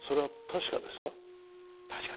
確かです。